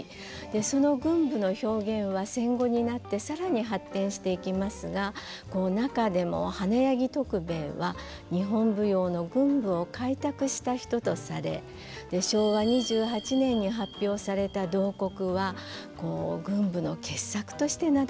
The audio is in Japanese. その群舞の表現は戦後になって更に発展していきますが中でも花柳徳兵衛は日本舞踊の群舞を開拓した人とされ昭和２８年に発表された「慟哭」は群舞の傑作として名高いものなんですね。